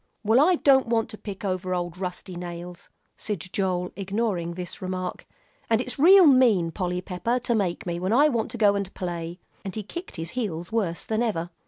"Well, I don't want to pick over old rusty nails," said Joel, ignoring this remark, "and it's real mean, Polly Pepper, to make me, when I want to go and play!" And he kicked his heels worse than ever.